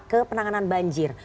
ke penanganan banjir